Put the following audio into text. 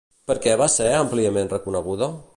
Per què va ser amplament reconeguda?